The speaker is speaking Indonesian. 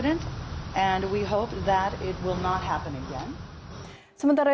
dan kami harap ini tidak akan berulang lagi